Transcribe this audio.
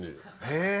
へえ。